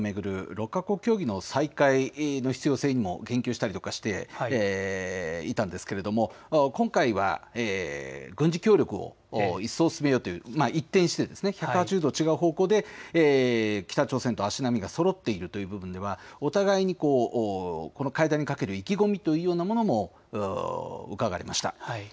６か国協議の再開の必要性にも言及したりとかしていたんですけれども今回は軍事協力を一層進めようという、一転して１８０度違う方向で北朝鮮と足並みがそろっているという部分はお互いにこの会談にかける意気込みというものもうかがわれました。